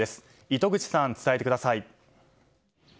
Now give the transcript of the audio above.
糸口さん、伝えてください。